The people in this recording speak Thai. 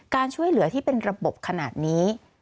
การช่วยเหลือที่เป็นระบบขนาดนี้